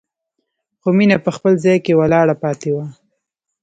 خو مينه په خپل ځای کې ولاړه پاتې وه.